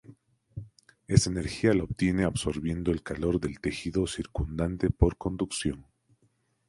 Esa energía la obtiene absorbiendo el calor del tejido circundante por conducción.